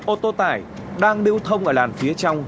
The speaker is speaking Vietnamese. ô tô tải đang lưu thông ở làn phía trong